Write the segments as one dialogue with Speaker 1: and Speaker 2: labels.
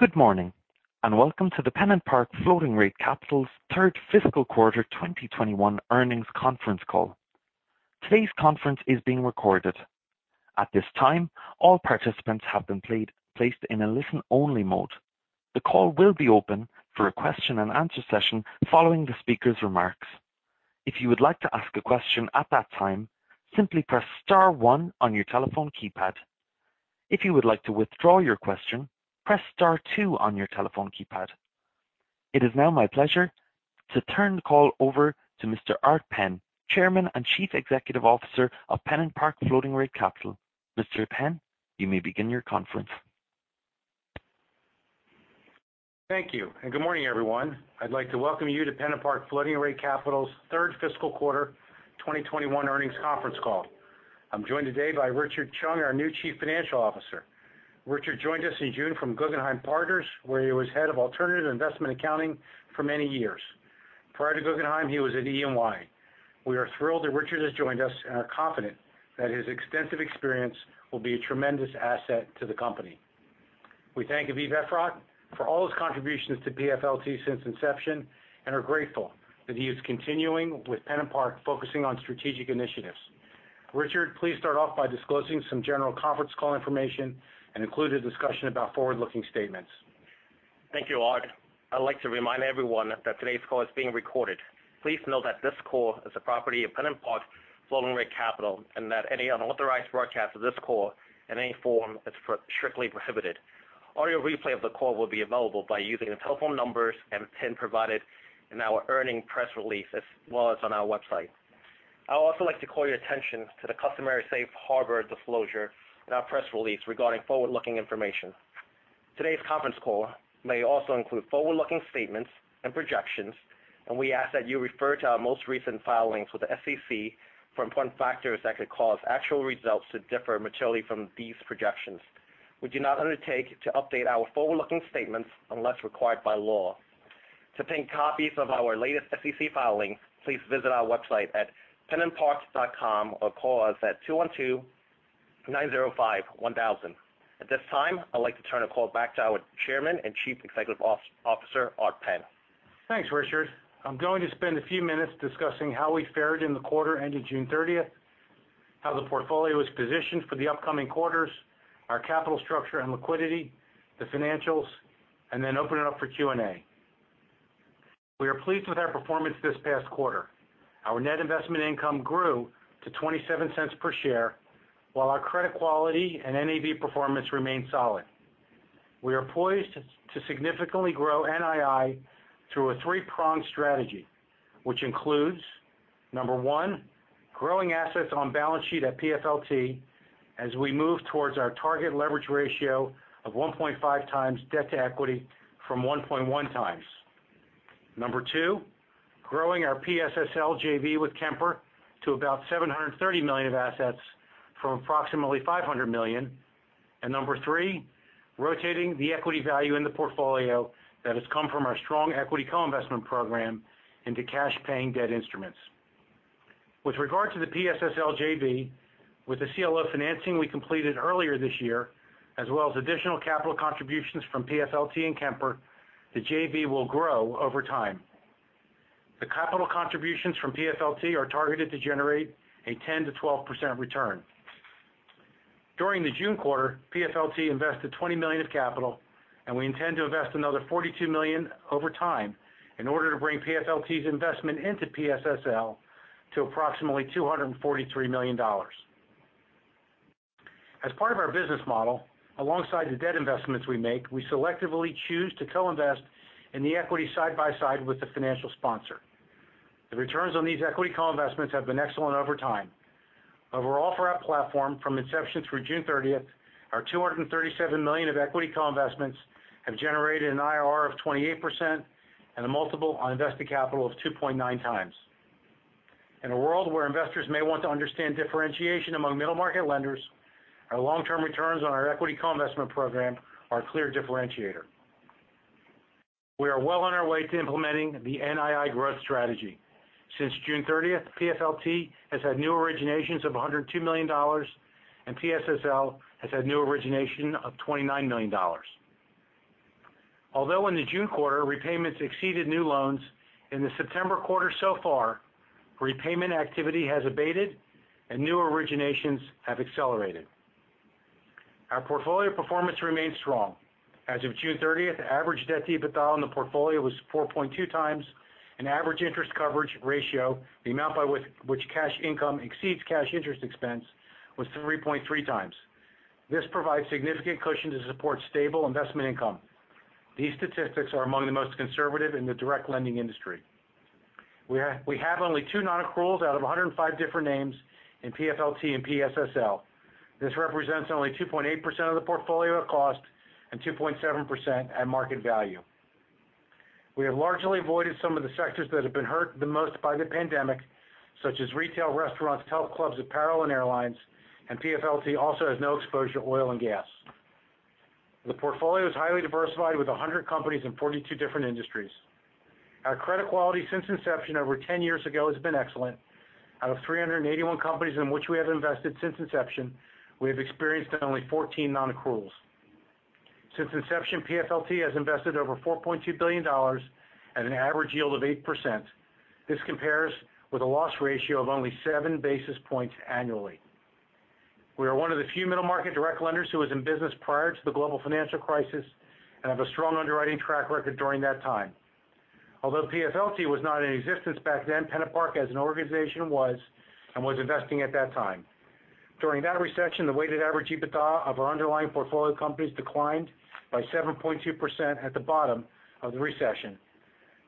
Speaker 1: Good morning, and welcome to the PennantPark Floating Rate Capital's third fiscal quarter 2021 earnings conference call. Today's conference is being recorded. At this time, all participants have been placed in a listen-only mode. The call will be open for a question-and-answer session following the speaker's remarks. If you would like to ask a question at that time, simply press star one on your telephone keypad. If you would like to withdraw your question, press star two on your telephone keypad. It is now my pleasure to turn the call over to Mr. Art Penn, Chairman and Chief Executive Officer of PennantPark Floating Rate Capital. Mr. Penn, you may begin your conference.
Speaker 2: Thank you. Good morning, everyone. I'd like to welcome you to PennantPark Floating Rate Capital's third fiscal quarter 2021 earnings conference call. I'm joined today by Richard Cheung, our new chief financial officer. Richard joined us in June from Guggenheim Partners, where he was Head of Alternative Investment Accounting for many years. Prior to Guggenheim, he was at E&Y. We are thrilled that Richard has joined us and are confident that his extensive experience will be a tremendous asset to the company. We thank Aviv Efrat for all his contributions to PFLT since inception and are grateful that he is continuing with PennantPark, focusing on strategic initiatives. Richard, please start off by disclosing some general conference call information and include a discussion about forward-looking statements.
Speaker 3: Thank you, Art. I'd like to remind everyone that today's call is being recorded. Please note that this call is a property of PennantPark Floating Rate Capital and that any unauthorized broadcast of this call in any form is strictly prohibited. Audio replay of the call will be available by using the telephone numbers and PIN provided in our earnings press release, as well as on our website. I would also like to call your attention to the customary safe harbor disclosure in our press release regarding forward-looking information. Today's conference call may also include forward-looking statements and projections. We ask that you refer to our most recent filings with the SEC for important factors that could cause actual results to differ materially from these projections. We do not undertake to update our forward-looking statements unless required by law. To obtain copies of our latest SEC filing, please visit our website at pennantpark.com or call us at 212-905-1000. At this time, I'd like to turn the call back to our Chairman and Chief Executive Officer, Art Penn.
Speaker 2: Thanks, Richard. I'm going to spend a few minutes discussing how we fared in the quarter ending June 30th, how the portfolio is positioned for the upcoming quarters, our capital structure and liquidity, the financials, then open it up for Q&A. We are pleased with our performance this past quarter. Our net investment income grew to $0.27 per share, while our credit quality and NAV performance remained solid. We are poised to significantly grow NII through a three-pronged strategy, which includes, number one, growing assets on balance sheet at PFLT as we move towards our target leverage ratio of 1.5 times debt to equity from 1.1 times. Number two: Growing our PSSL JV with Kemper to about $730 million of assets from approximately $500 million. And number three: Rotating the equity value in the portfolio that has come from our strong equity co-investment program into cash-paying debt instruments. With regard to the PSSL JV, with the CLO financing we completed earlier this year, as well as additional capital contributions from PFLT and Kemper, the JV will grow over time. The capital contributions from PFLT are targeted to generate a 10%-12% return. During the June quarter, PFLT invested $20 million of capital, and we intend to invest another $42 million over time in order to bring PFLT's investment into PSSL to approximately $243 million. As part of our business model, alongside the debt investments we make, we selectively choose to co-invest in the equity side by side with the financial sponsor. The returns on these equity co-investments have been excellent over time. Overall for our platform from inception through June 30th, our $237 million of equity co-investments have generated an IRR of 28% and a multiple on invested capital of 2.9 times. In a world where investors may want to understand differentiation among middle-market lenders, our long-term returns on our equity co-investment program are a clear differentiator. We are well on our way to implementing the NII growth strategy. Since June 30th, PFLT has had new originations of $102 million, and PSSL has had new originations of $29 million. Although in the June quarter, repayments exceeded new loans, in the September quarter so far, repayment activity has abated, and new originations have accelerated. Our portfolio performance remains strong. As of June 30th, the average debt to EBITDA in the portfolio was 4.2 times, and average interest coverage ratio, the amount by which cash income exceeds cash interest expense, was 3.3 times. This provides significant cushion to support stable investment income. These statistics are among the most conservative in the direct lending industry. We have only two non-accruals out of 105 different names in PFLT and PSSL. This represents only 2.8% of the portfolio at cost and 2.7% at market value. We have largely avoided some of the sectors that have been hurt the most by the pandemic, such as retail, restaurants, health clubs, apparel, and airlines. PFLT also has no exposure to oil and gas. The portfolio is highly diversified with 100 companies in 42 different industries. Our credit quality since inception over 10 years ago has been excellent. Out of 381 companies in which we have invested since inception, we have experienced only 14 non-accruals. Since inception, PFLT has invested over $4.2 billion at an average yield of 8%. This compares with a loss ratio of only seven basis points annually. We are one of the few middle-market direct lenders who was in business prior to the global financial crisis and have a strong underwriting track record during that time. Although PFLT was not in existence back then, PennantPark as an organization was and was investing at that time. During that recession, the weighted average EBITDA of our underlying portfolio companies declined by 7.2% at the bottom of the recession.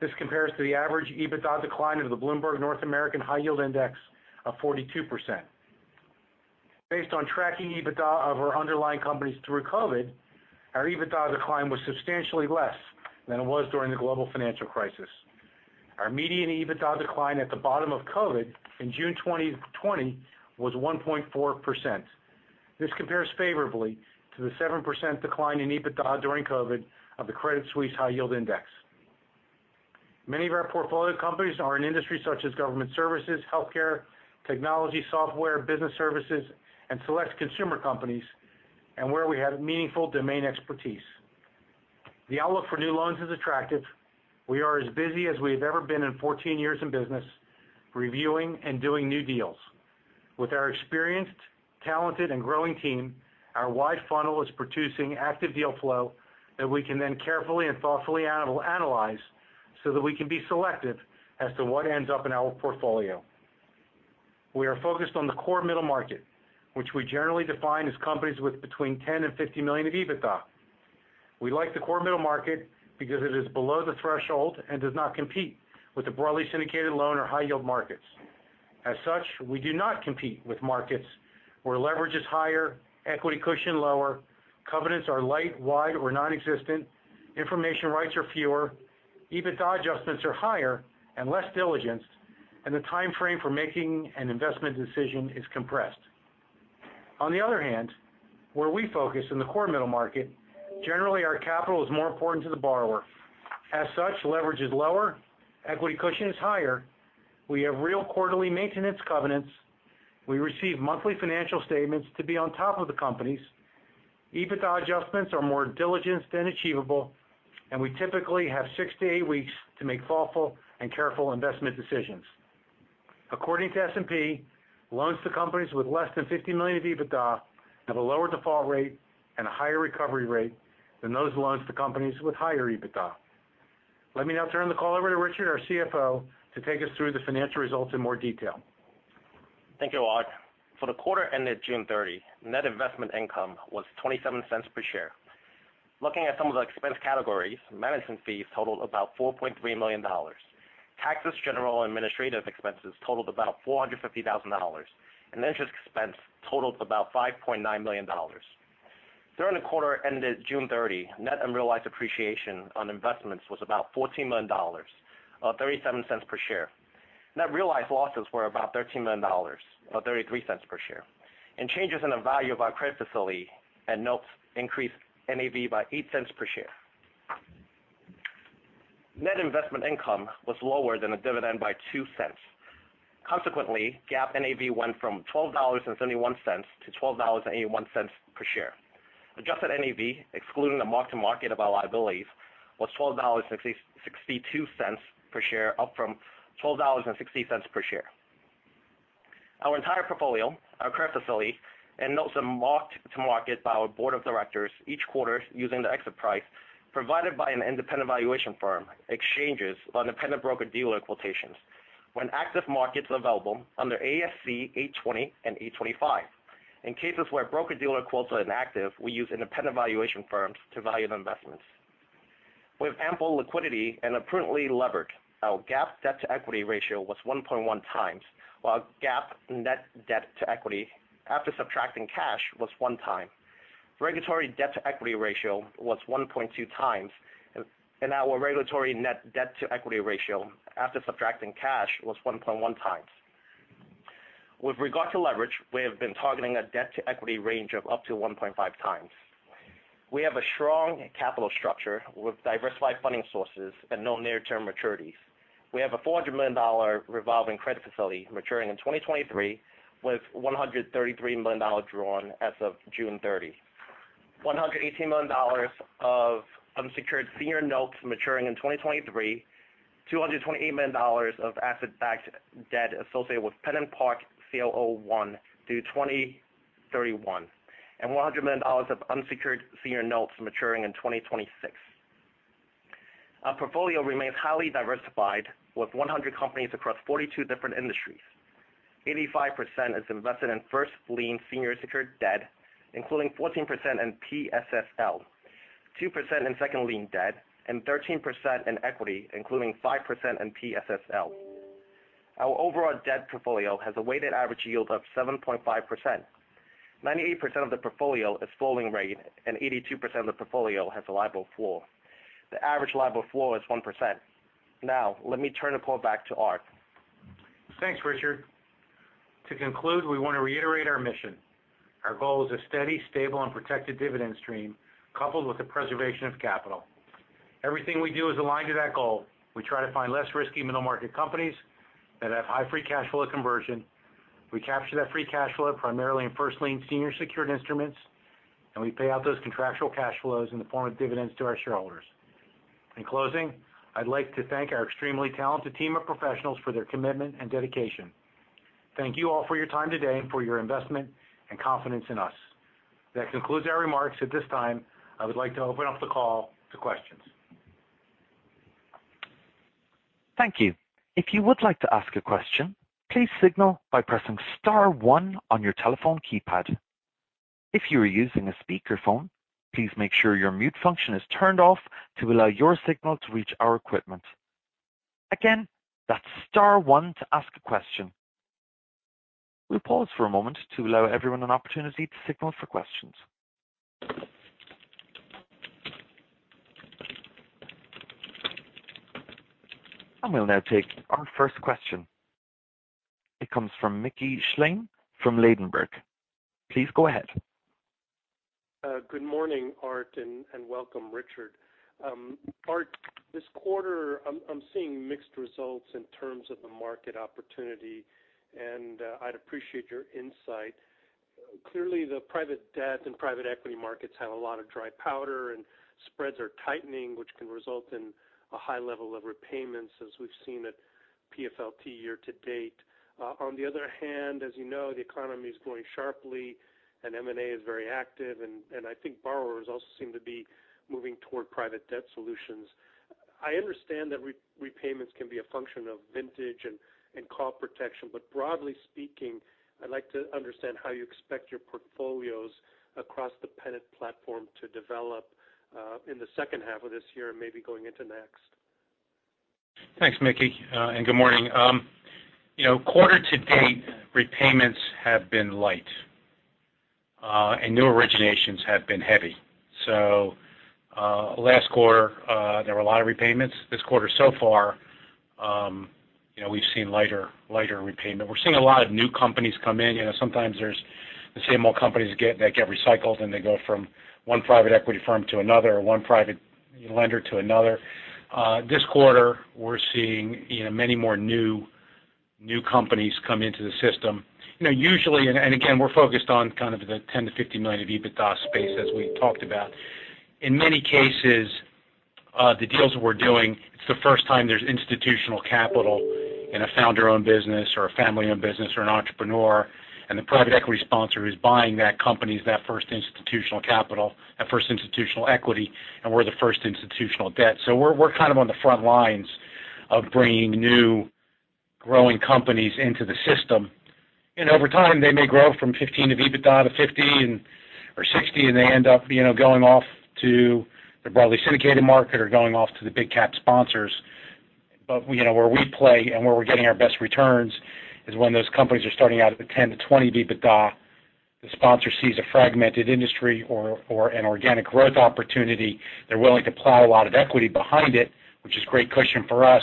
Speaker 2: This compares to the average EBITDA decline of the Bloomberg North American High Yield Index of 42%. Based on tracking EBITDA of our underlying companies through COVID, our EBITDA decline was substantially less than it was during the global financial crisis. Our median EBITDA decline at the bottom of COVID in June 2020 was 1.4%. This compares favorably to the 7% decline in EBITDA during COVID of the Credit Suisse High Yield Index. Many of our portfolio companies are in industries such as government services, healthcare, technology, software, business services, and select consumer companies, and where we have meaningful domain expertise. The outlook for new loans is attractive. We are as busy as we have ever been in 14 years in business, reviewing and doing new deals. With our experienced, talented, and growing team, our wide funnel is producing active deal flow that we can then carefully and thoughtfully analyze so that we can be selective as to what ends up in our portfolio. We are focused on the core middle market, which we generally define as companies with between $10 million and $50 million of EBITDA. We like the core middle market because it is below the threshold and does not compete with the broadly syndicated loan or high-yield markets. As such, we do not compete with markets where leverage is higher, equity cushions lower, covenants are light, wide, or non-existent, information rights are fewer, EBITDA adjustments are higher and less diligence, and the timeframe for making an investment decision is compressed. On the other hand, where we focus in the core middle market, generally, our capital is more important to the borrower. As such, leverage is lower, equity cushion is higher. We have real quarterly maintenance covenants. We receive monthly financial statements to be on top of the companies. EBITDA adjustments are more diligent and achievable, and we typically have six to eight weeks to make thoughtful and careful investment decisions. According to S&P, loans to companies with less than $50 million of EBITDA have a lower default rate and a higher recovery rate than those loans to companies with higher EBITDA. Let me now turn the call over to Richard, our CFO, to take us through the financial results in more detail.
Speaker 3: Thank you, Art. For the quarter ended June 30, net investment income was $0.27 per share. Looking at some of the expense categories, management fees totaled about $4.3 million. Taxes, general, and administrative expenses totaled about $450,000, and interest expense totaled about $5.9 million. During the quarter ended June 30, net and realized appreciation on investments was about $14 million, or $0.37 per share. Net realized losses were about $13 million, or $0.33 per share. Changes in the value of our credit facility and notes increased NAV by $0.08 per share. Net investment income was lower than the dividend by $0.02. Consequently, GAAP NAV went from $12.71 to $12.81 per share. Adjusted NAV, excluding the mark-to-market of our liabilities, was $12.62 per share, up from $12.60 per share. Our entire portfolio, our credit facility, and notes are marked to market by our board of directors each quarter using the exit price provided by an independent valuation firm, exchanges of independent broker-dealer quotations when active markets are available under ASC 820 and ASC 825. In cases where broker-dealer quotes are inactive, we use independent valuation firms to value the investments. We have ample liquidity and are prudently levered. Our GAAP debt-to-equity ratio was 1.1 times, while GAAP net debt-to-equity after subtracting cash was one time. Regulatory debt-to-equity ratio was 1.2 times, and our regulatory net debt-to-equity ratio after subtracting cash was 1.1 times. With regard to leverage, we have been targeting a debt-to-equity range of up to 1.5 times. We have a strong capital structure with diversified funding sources and no near-term maturities. We have a $400 million revolving credit facility maturing in 2023, with $133 million drawn as of June 30. $118 million of unsecured senior notes maturing in 2023, $228 million of asset-backed debt associated with PennantPark CLO I through 2031, and $100 million of unsecured senior notes maturing in 2026. Our portfolio remains highly diversified, with 100 companies across 42 different industries. 85% is invested in first-lien senior secured debt, including 14% in PSSL, 2% in second-lien debt, and 13% in equity, including 5% in PSSL. Our overall debt portfolio has a weighted average yield of 7.5%. 98% of the portfolio is floating rate, and 82% of the portfolio has a LIBOR floor. The average LIBOR floor is 1%. Now, let me turn the call back to Art.
Speaker 2: Thanks, Richard. To conclude, we want to reiterate our mission. Our goal is a steady, stable, and protected dividend stream, coupled with the preservation of capital. Everything we do is aligned to that goal. We try to find less risky middle-market companies that have high free cash flow conversion. We capture that free cash flow primarily in first-lien senior secured instruments, and we pay out those contractual cash flows in the form of dividends to our shareholders. In closing, I'd like to thank our extremely talented team of professionals for their commitment and dedication. Thank you all for your time today and for your investment and confidence in us. That concludes our remarks. At this time, I would like to open up the call to questions.
Speaker 1: Thank you. If you would like to ask a question, please signal by pressing star one on your telephone keypad. If you are using a speakerphone, please make sure your mute function is turned off to allow your signal to reach our equipment. Again, that's star one to ask a question. We'll pause for a moment to allow everyone an opportunity to signal for questions. We'll now take our first question. It comes from Mickey Schleien from Ladenburg. Please go ahead.
Speaker 4: Good morning, Art, and welcome, Richard. Art, this quarter, I'm seeing mixed results in terms of the market opportunity, and I'd appreciate your insight. Clearly, the private debt and private equity markets have a lot of dry powder, and spreads are tightening, which can result in a high level of repayments as we've seen at PFLT year to date. On the other hand, as you know, the economy is growing sharply and M&A is very active, and I think borrowers also seem to be moving toward private debt solutions. I understand that repayments can be a function of vintage and call protection, but broadly speaking, I'd like to understand how you expect your portfolios across the Pennant platform to develop in the second half of this year and maybe going into next.
Speaker 2: Thanks, Mickey, and good morning. Quarter to date, repayments have been light. New originations have been heavy. Last quarter, there were a lot of repayments. This quarter so far, we've seen lighter repayment. We're seeing a lot of new companies come in. Sometimes there's the same old companies that get recycled, and they go from one private equity firm to another or one private lender to another. This quarter, we're seeing many more new companies come into the system. Again, we're focused on kind of the $10 to $50 million of EBITDA space as we talked about. In many cases, the deals we're doing, it's the first time there's institutional capital in a founder-owned business or a family-owned business or an entrepreneur. The private equity sponsor who's buying that company is that first institutional capital, that first institutional equity, and we're the first institutional debt. We're kind of on the front lines of bringing new, growing companies into the system. Over time, they may grow from 15% of EBITDA to 50% or 60%, and they end up going off to the broadly syndicated market or going off to the big-cap sponsors. Where we play and where we're getting our best returns is when those companies are starting out at the 10 to 20% EBITDA. The sponsor sees a fragmented industry or an organic growth opportunity. They're willing to plow a lot of equity behind it, which is great cushion for us.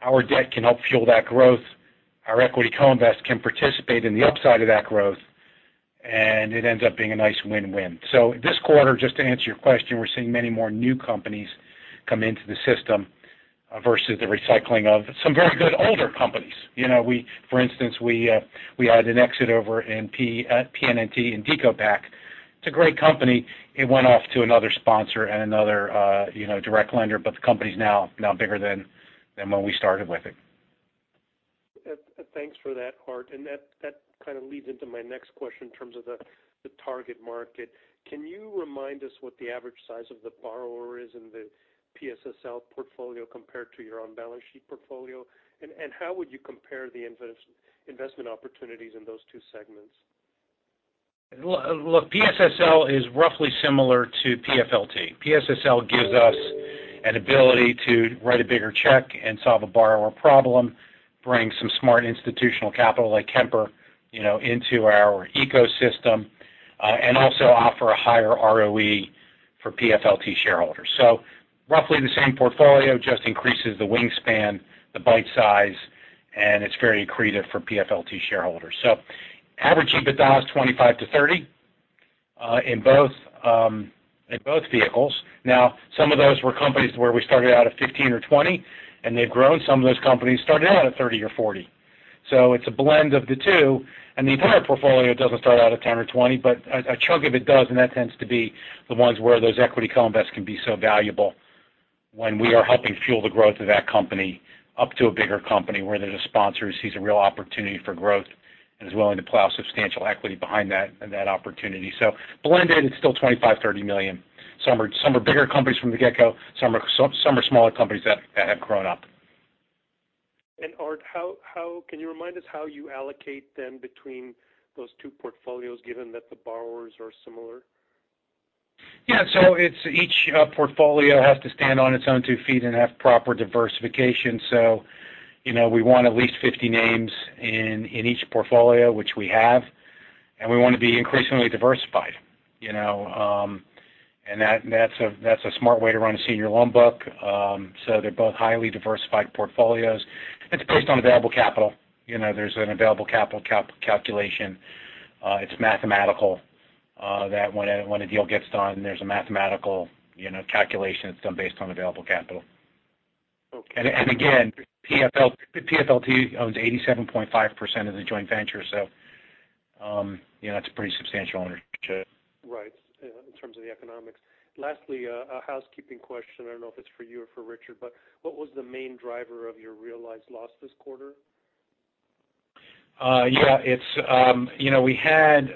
Speaker 2: Our debt can help fuel that growth. Our equity co-invest can participate in the upside of that growth. It ends up being a nice win-win. This quarter, just to answer your question, we're seeing many more new companies come into the system versus the recycling of some very good older companies. For instance, we had an exit over in PNNT in DecoPac. It's a great company. It went off to another sponsor and another direct lender, but the company's now bigger than when we started with it.
Speaker 4: Thanks for that, Art. That kind of leads into my next question in terms of the target market. Can you remind us what the average size of the borrower is in the PSSL portfolio compared to your on-balance-sheet portfolio? How would you compare the investment opportunities in those two segments?
Speaker 2: Look, PSSL is roughly similar to PFLT. PSSL gives us an ability to write a bigger check and solve a borrower problem, bring some smart institutional capital like Kemper into our ecosystem, and also offer a higher ROE for PFLT shareholders. Roughly the same portfolio, just increases the wingspan, the bite size, and it's very accretive for PFLT shareholders. Average EBITDA is $25 million-$30 million in both vehicles. Now, some of those were companies where we started out at $15 million or $20 million, and they've grown. Some of those companies started out at $30 million or $40 million. It's a blend of the two. The entire portfolio doesn't start out at 10 or 20, but a chunk of it does, and that tends to be the ones where those equity co-invests can be so valuable when we are helping fuel the growth of that company up to a bigger company where then a sponsor sees a real opportunity for growth and is willing to plow substantial equity behind that opportunity. Blended, it's still $25 million, $30 million. Some are bigger companies from the get-go; some are smaller companies that have grown up.
Speaker 4: Art, can you remind us how you allocate then between those two portfolios given that the borrowers are similar?
Speaker 2: Each portfolio has to stand on its own two feet and have proper diversification. We want at least 50 names in each portfolio, which we have. We want to be increasingly diversified. That's a smart way to run a senior loan book. They're both highly diversified portfolios. It's based on available capital. There's an available capital calculation. It's mathematical. When a deal gets done, there's a mathematical calculation that's done based on available capital.
Speaker 4: Okay.
Speaker 2: Again, PFLT owns 87.5% of the joint venture. That's a pretty substantial ownership.
Speaker 4: Right. In terms of the economics. Lastly, a housekeeping question. I don't know if it's for you or for Richard, but what was the main driver of your realized loss this quarter?
Speaker 2: We had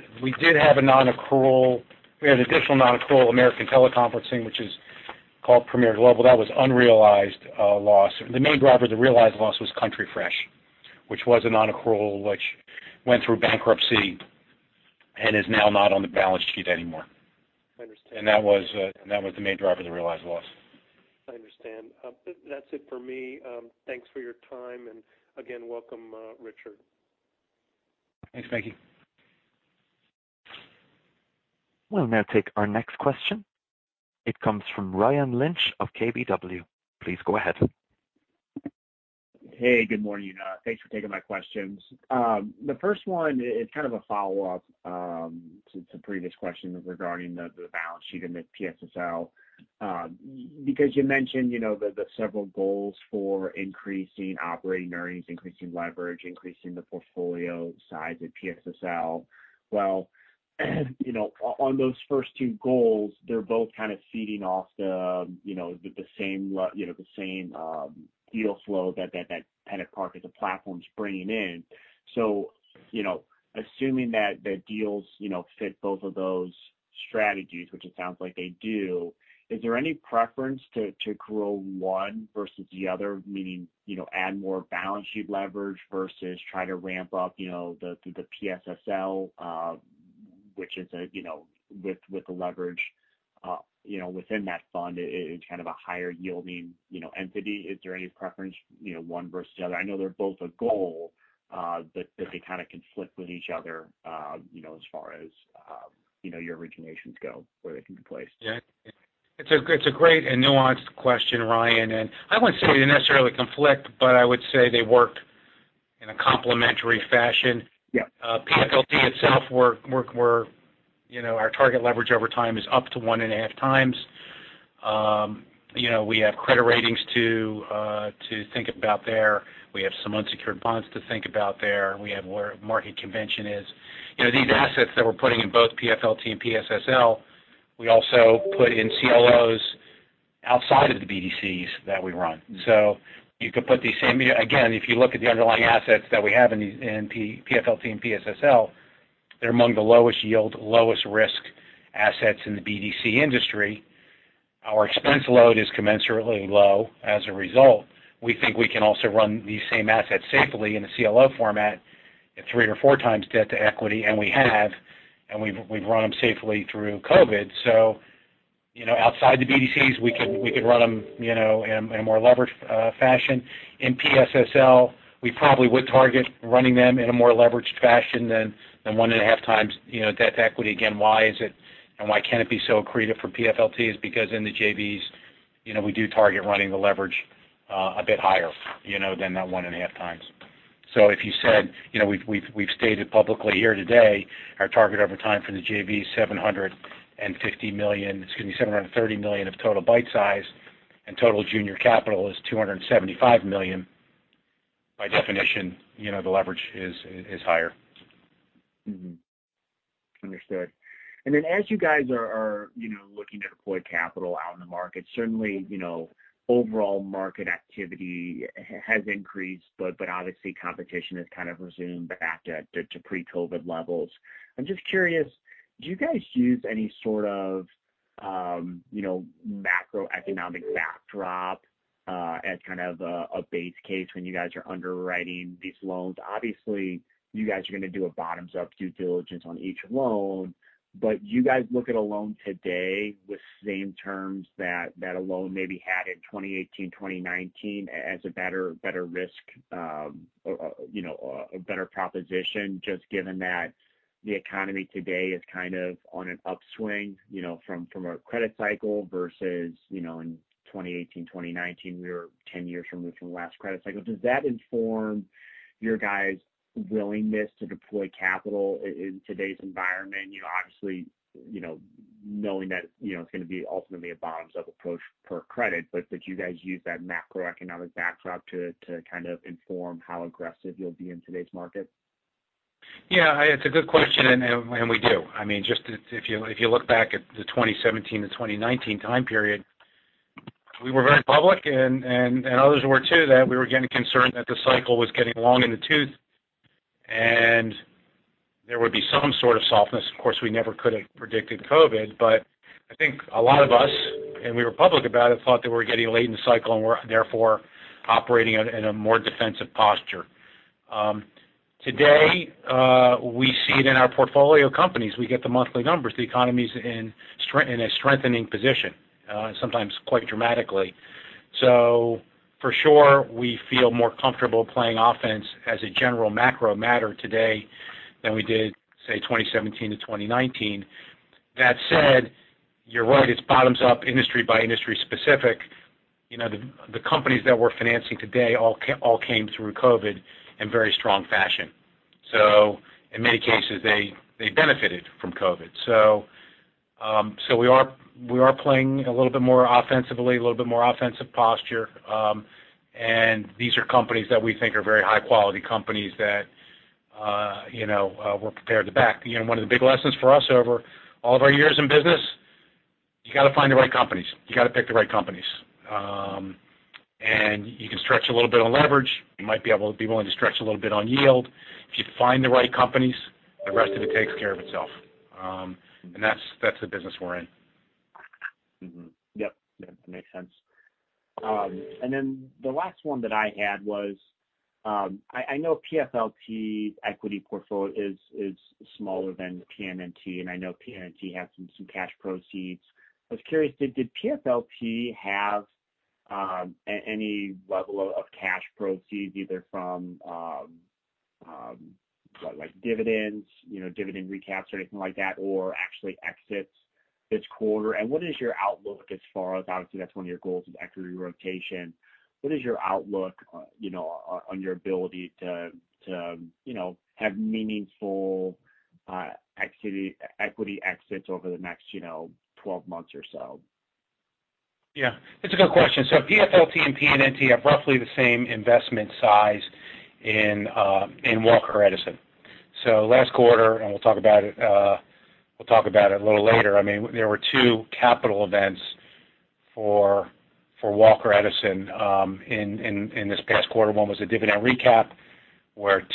Speaker 2: an additional non-accrual, American Teleconferencing, which is called Premiere Global. That was unrealized loss. The main driver of the realized loss was Country Fresh, which was a non-accrual, which went through bankruptcy and is now not on the balance sheet anymore.
Speaker 4: I understand.
Speaker 2: That was the main driver of the realized loss.
Speaker 4: I understand. That's it for me. Thanks for your time. Again, welcome Richard.
Speaker 2: Thanks, Mickey.
Speaker 1: We'll now take our next question. It comes from Ryan Lynch of KBW. Please go ahead.
Speaker 5: Hey, good morning. Thanks for taking my questions. The first one is kind of a follow-up to the previous question regarding the balance sheet and the PSSL. You mentioned the several goals for increasing operating earnings, increasing leverage, increasing the portfolio size at PSSL. Well, on those first two goals, they're both kind of feeding off the same deal flow that PennantPark as a platform is bringing in. Assuming that the deals fit both of those strategies, which it sounds like they do, is there any preference to grow one versus the other? Meaning, add more balance sheet leverage versus try to ramp up the PSSL; with the leverage within that fund, it's kind of a higher-yielding entity. Is there any preference, one versus the other? I know they're both a goal. If they kind of conflict with each other as far as your originations go, where they can be placed.
Speaker 2: It's a great and nuanced question, Ryan, and I wouldn't say they necessarily conflict, but I would say they work in a complementary fashion.
Speaker 5: Yeah.
Speaker 2: PFLT itself, our target leverage over time is up to 1.5 times. We have credit ratings to think about there. We have some unsecured bonds to think about there. We have where market convention is. These assets that we're putting in both PFLT and PSSL, we also put in CLOs outside of the BDCs that we run. You could put these same Again, if you look at the underlying assets that we have in PFLT and PSSL, they're among the lowest yield, lowest risk assets in the BDC industry. Our expense load is commensurately low as a result. We think we can also run these same assets safely in a CLO format at three or four times debt to equity, and we have, and we've run them safely through COVID. Outside the BDCs, we could run them in a more leveraged fashion. In PSSL, we probably would target running them in a more leveraged fashion than 1.5 times debt to equity. Why is it, and why can it be so accretive for PFLT is because in the JVs, we do target running the leverage a bit higher than that 1.5 times. If you said, "We've stated publicly here today our target over time for the JV, $750 million; excuse me, $730 million of total bite size and total junior capital is $275 million." By definition, the leverage is higher.
Speaker 5: Understood. As you guys are looking to deploy capital out in the market, certainly, overall market activity has increased, but obviously competition has kind of resumed back to pre-COVID levels. I'm just curious, do you guys use any sort of macroeconomic backdrop as kind of a base case when you guys are underwriting these loans? Obviously, you guys are going to do a bottom-up due diligence on each loan, but you guys look at a loan today with same terms that that loan maybe had in 2018, 2019 as a better risk, a better proposition, just given that the economy today is kind of on an upswing from a credit cycle versus in 2018, 2019, we were 10 years removed from the last credit cycle. Does that inform your guys' willingness to deploy capital in today's environment? Obviously, knowing that it's going to be ultimately a bottoms-up approach per credit, but did you guys use that macroeconomic backdrop to kind of inform how aggressive you'll be in today's market?
Speaker 2: It's a good question, and we do. If you look back at the 2017 to 2019 time period, we were very public, and others were too, that we were getting concerned that the cycle was getting long in the tooth and there would be some sort of softness. Of course, we never could have predicted COVID, but I think a lot of us, and we were public about it, thought that we were getting late in the cycle and were therefore operating in a more defensive posture. Today, we see it in our portfolio companies. We get the monthly numbers. The economy's in a strengthening position. Sometimes quite dramatically. For sure, we feel more comfortable playing offense as a general macro matter today than we did, say, 2017 to 2019. That said, you're right; it's bottom-up, industry-by-industry specific. The companies that we're financing today all came through COVID in very strong fashion. In many cases, they benefited from COVID. We are playing a little bit more offensively, a little bit more offensive posture. These are companies that we think are very high-quality companies that we're prepared to back. One of the big lessons for us over all of our years in business, you got to find the right companies. You got to pick the right companies. You can stretch a little bit on leverage. You might be able to be willing to stretch a little bit on yield. If you find the right companies, the rest of it takes care of itself. That's the business we're in.
Speaker 5: That makes sense. The last one that I had was I know PFLT equity portfolio is smaller than PNNT, and I know PNNT has some cash proceeds. I was curious: did PFLT have any level of cash proceeds, either from dividends, dividend recaps, or anything like that, or actually exit this quarter? What is your outlook as far as, obviously, that's one of your goals with equity rotation. What is your outlook on your ability to have meaningful equity exits over the next 12 months or so?
Speaker 2: It's a good question. PFLT and PNNT have roughly the same investment size in Walker Edison. Last quarter, and we'll talk about it a little later, there were two capital events for Walker Edison in this past quarter. One was a dividend recap, where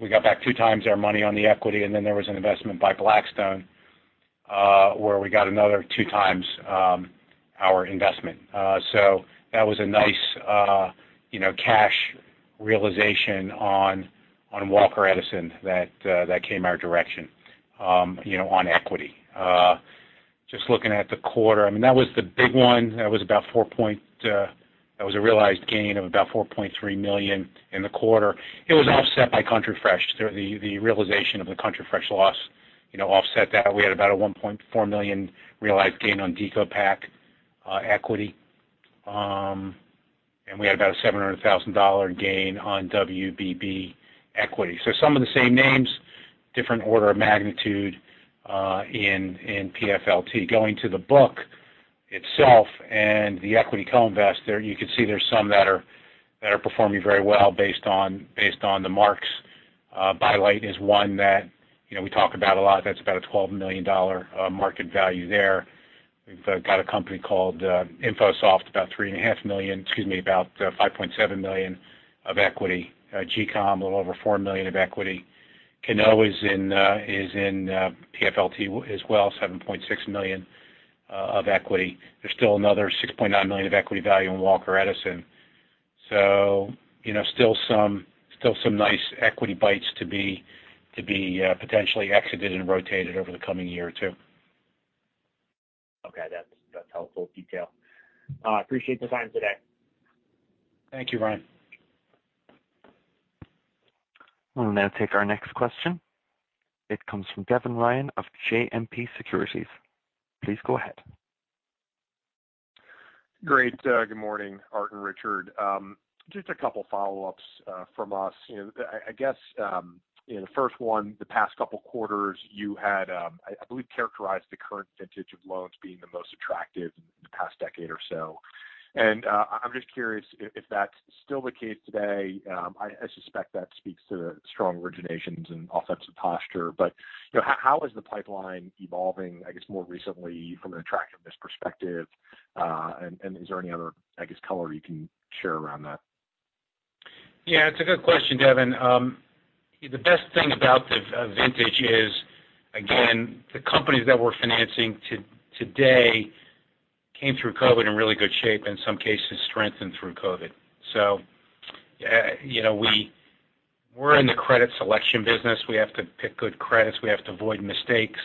Speaker 2: we got back two times our money on the equity, and then there was an investment by Blackstone, where we got another two times our investment. That was a nice cash realization on Walker Edison that came our direction on equity. Just looking at the quarter, that was the big one. That was a realized gain of about $4.3 million in the quarter. It was offset by Country Fresh. The realization of the Country Fresh loss offset that. We had about a $1.4 million realized gain on DecoPac equity. We had about a $700,000 gain on WBB equity. Some of the same names, different order of magnitude in PFLT. Going to the book itself and the equity co-investor, you could see there's some that are performing very well based on the marks. "By Light" is one that we talk about a lot. That's about a $12 million market value there. We've got a company called InfoSoft with about $3.5 million, excuse me, about $5.7 million of equity. GCOM, a little over $4 million of equity. Canoa is in PFLT as well, with $7.6 million of equity. There's still another $6.9 million of equity value in Walker Edison. Still some nice equity bites to be potentially exited and rotated over the coming year or two.
Speaker 5: Okay. That's helpful detail. I appreciate the time today.
Speaker 2: Thank you, Ryan.
Speaker 1: We'll now take our next question. It comes from Devin Ryan of JMP Securities. Please go ahead.
Speaker 6: Great. Good morning, Art and Richard. Just a couple follow-ups from us. I guess, the first one, the past couple of quarters, you had, I believe, characterized the current vintage of loans being the most attractive in the past decade or so. I'm just curious if that's still the case today. I suspect that speaks to the strong originations and offensive posture. How is the pipeline evolving, I guess, more recently from an attractiveness perspective? Is there any other, I guess, color you can share around that?
Speaker 2: Yeah, it's a good question, Devin. The best thing about the vintage is, again, the companies that we're financing today came through COVID in really good shape, in some cases strengthened through COVID. We're in the credit selection business. We have to pick good credits. We have to avoid mistakes.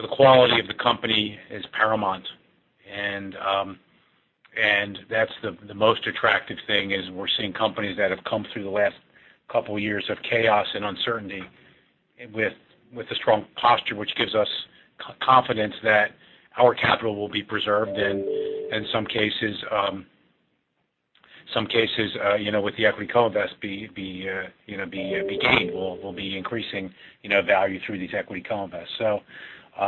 Speaker 2: The quality of the company is paramount, and that's the most attractive thing is we're seeing companies that have come through the last couple years of chaos and uncertainty with a strong posture, which gives us confidence that our capital will be preserved. In some cases, with the equity co-invest be gained. We'll be increasing value through this equity co-invest.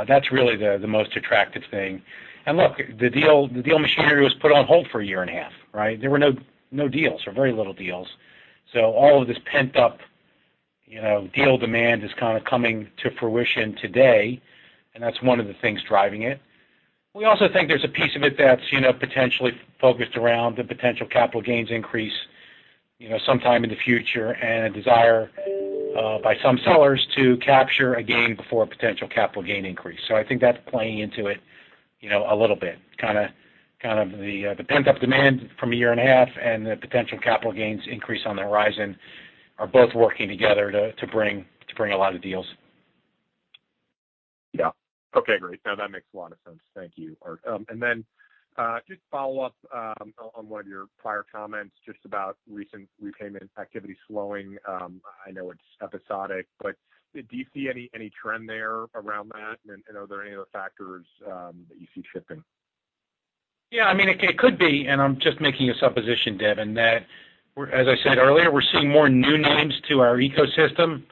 Speaker 2: That's really the most attractive thing. Look, the deal machinery was put on hold for a year and a half, right? There were no deals or very little deals. All of this pent-up deal demand is kind of coming to fruition today, and that's one of the things driving it. We also think there's a piece of it that's potentially focused around the potential capital gains increase sometime in the future and a desire by some sellers to capture a gain before a potential capital gains increase. I think that's playing into it a little bit. Kind of, the pent-up demand from a year and a half and the potential capital gains increase on the horizon are both working together to bring a lot of deals.
Speaker 6: Okay, great. No, that makes a lot of sense. Thank you, Art. Just follow up on one of your prior comments just about recent repayment activity slowing. I know it's episodic, but do you see any trend there around that? Are there any other factors that you see shifting?
Speaker 2: It could be, and I'm just making a supposition, Devin, that as I said earlier, we're seeing more new names to our ecosystem.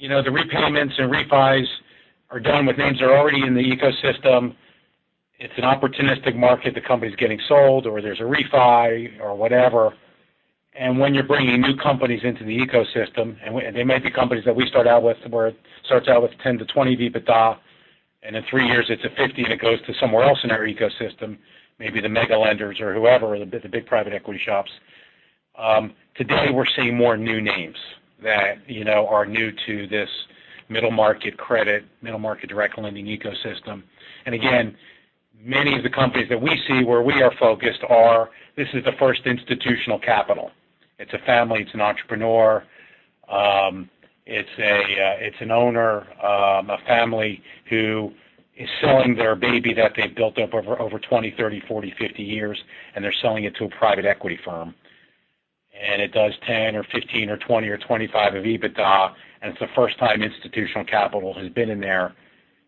Speaker 2: The repayments and refis are done with names that are already in the ecosystem. It's an opportunistic market. The company's getting sold or there's a refi or whatever. When you're bringing new companies into the ecosystem, and they may be companies that we start out with, where it starts out with 10 to 20 EBITDA, and in three years it's a 50, and it goes to somewhere else in our ecosystem, maybe to the mega lenders or whoever or the big private equity shops. Today, we're seeing more new names that are new to this middle-market credit, middle-market direct lending ecosystem. Again, many of the companies that we see where we are focused are, this is the first institutional capital. It's a family; it's an entrepreneur; it's an owner, a family who is selling their baby that they've built up over 20, 30, 40, or 50 years, and they're selling it to a private equity firm. It does 10 or 15 or 20 or 25 of EBITDA, and it's the first time institutional capital has been in there.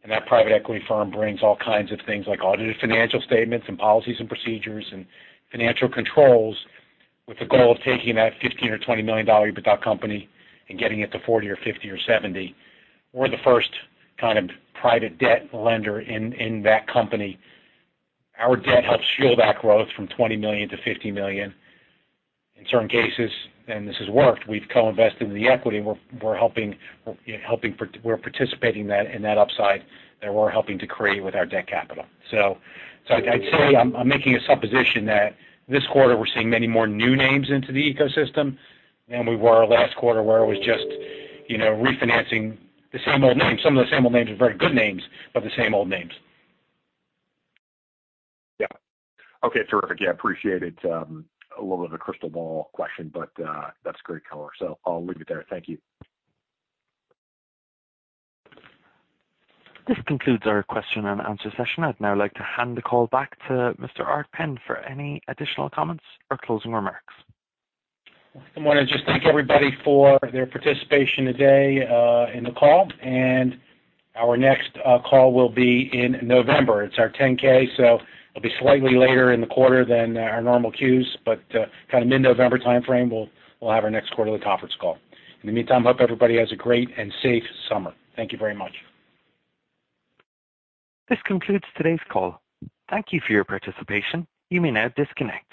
Speaker 2: That private equity firm brings all kinds of things like audited financial statements and policies and procedures and financial controls with the goal of taking that $15 or $20 million EBITDA company and getting it to 40 or 50 or 70. We're the first kind of private debt lender in that company. Our debt helps fuel that growth from $20 million to $50 million. In certain cases, and this has worked, we've co-invested in the equity, and we're participating in that upside that we're helping to create with our debt capital. I'd say I'm making a supposition that this quarter we're seeing many more new names into the ecosystem than we were last quarter, where it was just refinancing the same old names. Some of the same old names are very good names, but the same old names.
Speaker 6: Okay, terrific. Yeah, appreciate it. A little bit of a crystal ball question, but that's great color. I'll leave it there. Thank you.
Speaker 1: This concludes our question and answer session. I'd now like to hand the call back to Mr. Art Penn for any additional comments or closing remarks.
Speaker 2: I want to just thank everybody for their participation today in the call. Our next call will be in November. It's our 10-K. It'll be slightly later in the quarter than our normal Qs. Kind of mid-November timeframe, we'll have our next quarterly conference call. In the meantime, hope everybody has a great and safe summer. Thank you very much.
Speaker 1: This concludes today's call. Thank you for your participation. You may now disconnect.